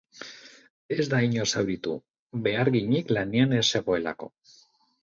Ez da inor zauritu, beharginik lanean ez zegoelako.